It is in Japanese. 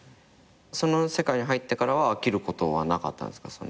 その世界に入ってからは飽きることはなかったんですか？